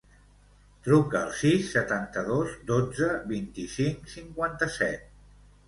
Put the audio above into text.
Truca al sis, setanta-dos, dotze, vint-i-cinc, cinquanta-set.